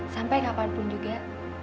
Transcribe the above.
sampai kapanpun juga